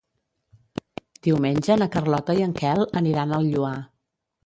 Diumenge na Carlota i en Quel aniran al Lloar.